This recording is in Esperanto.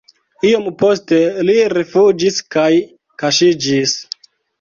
Iom poste li rifuĝis kaj kaŝiĝis.